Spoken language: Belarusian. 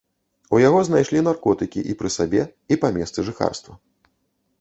У яго знайшлі наркотыкі і пры сабе, і па месцы жыхарства.